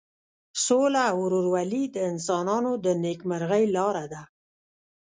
سوله او ورورولي د انسانانو د نیکمرغۍ لاره ده.